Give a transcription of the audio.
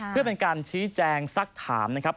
เพื่อเป็นการชี้แจงสักถามนะครับ